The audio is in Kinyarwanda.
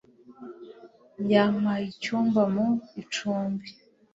Yampaye icyumba mu icumbi.